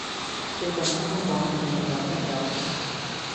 最近香港成日有劈友？